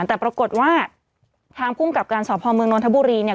แต่ปรากฏว่าทางภูมิกับการสพมนธบุรีเนี่ย